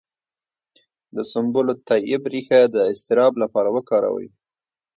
د سنبل الطیب ریښه د اضطراب لپاره وکاروئ